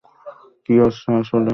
কী হচ্ছে আসলে?